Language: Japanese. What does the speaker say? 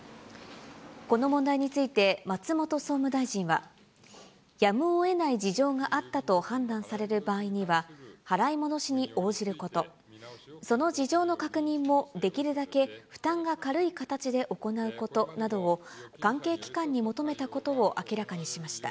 この問題について松本総務大臣は、やむをえない事情があったと判断される場合には、払い戻しに応じること、その事情の確認もできるだけ負担が軽い形で行うことなどを、関係機関に求めたことを明らかにしました。